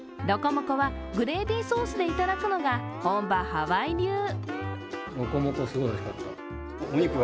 ロコモコはグレービーソースでいただくのが本場ハワイ流。